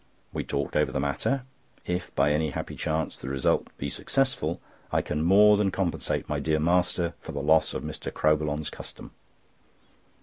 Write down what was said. We talked over the matter. If, by any happy chance, the result be successful, I can more than compensate my dear master for the loss of Mr. Crowbillon's custom.